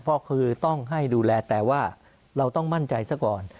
ก็คือต้องให้ดูแลแต่ว่าเราต้องมั่นใจซะก่อน